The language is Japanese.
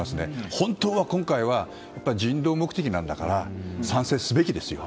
本当は今回は人道目的なんだから賛成すべきですよ。